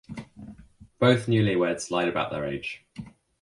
Both newlyweds lied about their age.